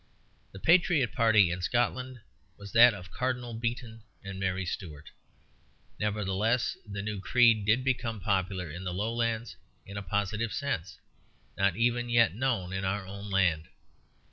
The patriot party in Scotland was that of Cardinal Beaton and Mary Stuart. Nevertheless, the new creed did become popular in the Lowlands in a positive sense, not even yet known in our own land.